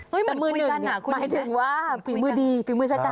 แต่มือหนึ่งหมายถึงว่าฝีมือดีฝีมือชะตา